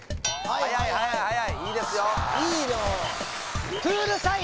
・おはいはいはい・